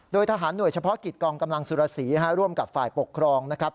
โดยทหารหน่วยเฉพาะกิจกองกำลังสุรสีร่วมกับฝ่ายปกครองนะครับ